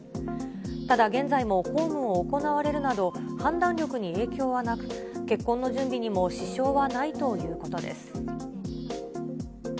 ただ、現在も公務を行われるなど、判断力に影響はなく、結婚の準備にも支障はないということです。